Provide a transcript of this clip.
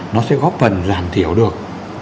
nó sẽ góp phần giảm thiểu được